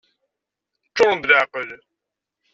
Ččuren d leεqel!